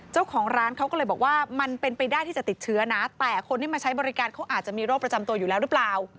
เจ้าของร้านเขาก็เลยบอกว่ามันเป็นไปได้ที่จะติดเชื้อนะแต่คนที่มาใช้บริการเขาอาจจะมีโรคประจำตัวอยู่แล้วหรือเปล่า